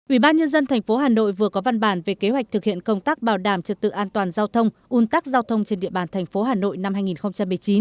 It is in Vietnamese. ủy ban nhân dân tp hà nội vừa có văn bản về kế hoạch thực hiện công tác bảo đảm trật tự an toàn giao thông un tắc giao thông trên địa bàn thành phố hà nội năm hai nghìn một mươi chín